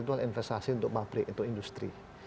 itu kan investasi untuk pabrik untuk industri